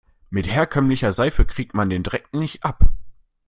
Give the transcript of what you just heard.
Mit herkömmlicher Seife kriegt man den Dreck nicht ab.